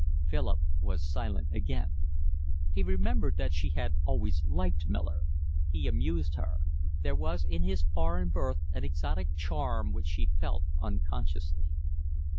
Philip was silent again. He remembered that she had always liked Miller; he amused her; there was in his foreign birth an exotic charm which she felt unconsciously.